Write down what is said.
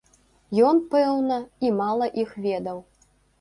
Ён, пэўна, і мала іх ведаў.